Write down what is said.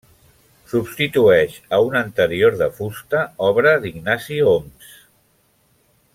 Substitueix a un anterior de fusta obra d'Ignasi Oms.